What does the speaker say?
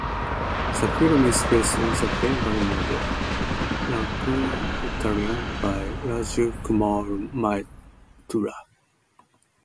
The film is based on a Bengali novel, "Rangeen Uttarain" by Raj Kumar Maitra.